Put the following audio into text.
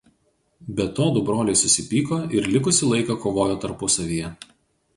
Be to du broliai susipyko ir likusį laiką kovojo tarpusavyje.